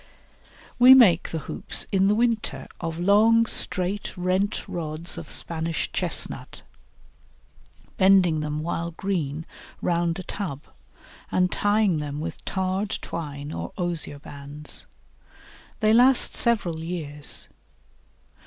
We make the hoops in the winter of long straight rent rods of Spanish Chestnut, bending them while green round a tub, and tying them with tarred twine or osier bands. They last several years.